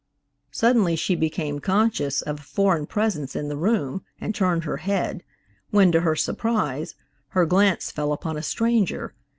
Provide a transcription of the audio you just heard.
Suddenly, she became conscious of a foreign presence in the room, and turned her head, when, to her surprise, her glance fell upon a stranger.